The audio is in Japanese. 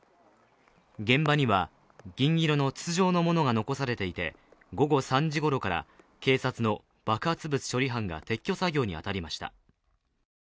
現場には銀色の筒状のものが残されていて、午後３時ごろから警察の爆発物処理班が撤去作業に当たりました。